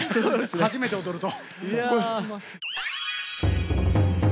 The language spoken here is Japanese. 初めて踊ると。